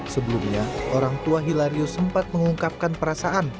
sebelumnya orang tua hilarius sempat mengungkapkan perasaan